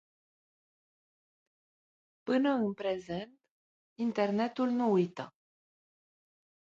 Până în prezent, internetul nu uită.